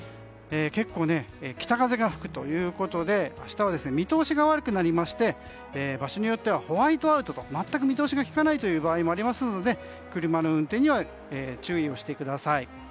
結構、北風が吹くということで明日は見通しが悪くなりまして場所によってはホワイトアウトと全く見通しがきかない場合もありますので車の運転には注意をしてください。